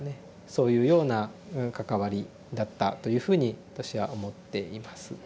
そういうような関わりだったというふうに私は思っています。